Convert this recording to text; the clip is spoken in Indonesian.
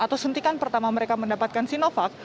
atau suntikan pertama mereka mendapatkan sinovac